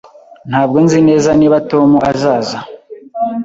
Ntabwo nzi neza niba Tom azaza.